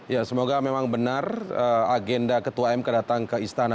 ya semoga memang benar agenda ketua mk datang ke istana